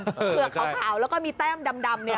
เผือกขาวแล้วก็มีแต้มดำเนี่ย